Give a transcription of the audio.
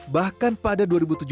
bahkan pada dua ribu tujuh belas